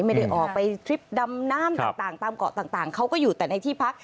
ไม่ได้ออกไปทริปดำน้ำต่างตามเกาะต่างเขาก็อยู่แต่ในที่พัก